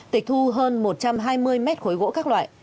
tịch thu hơn một trăm hai mươi mét khối gỗ các loại